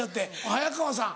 早川さん